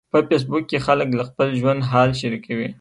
په فېسبوک کې خلک له خپل ژوند حال شریکوي.